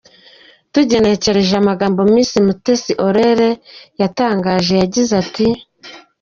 Tugenekereje amagambo Miss Mutesi Aurore yatangaje, yagize ati: .